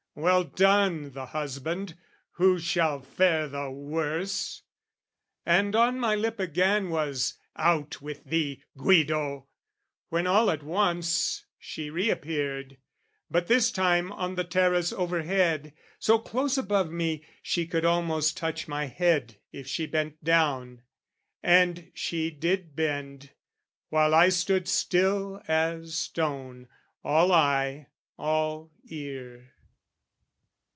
"Well done, the husband, who shall fare the worse!" And on my lip again was "Out with thee, "Guido!" When all at once she re appeared; But, this time, on the terrace overhead, So close above me, she could almost touch My head if she bent down; and she did bend, While I stood still as stone, all eye, all ear.